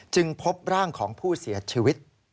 พบร่างของผู้เสียชีวิต